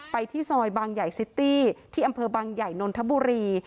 ที่ซอยบางใหญ่ซิตี้ที่อำเภอบางใหญ่นนทบุรี